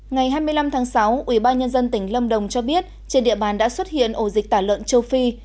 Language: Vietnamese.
ngày hai mươi năm tháng sáu ubnd tỉnh lâm đồng cho biết trên địa bàn đã xuất hiện ổ dịch tả lợn châu phi